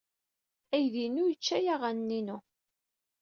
Aydi-inu yečča-iyi aɣanen-inu.